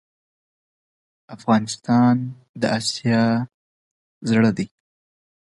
له بېلابېلو قبیلو نه یې دولس زره کسه یو موټی او متحد کړل.